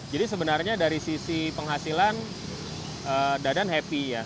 jadi sebenarnya dari sisi penghasilan dadan happy ya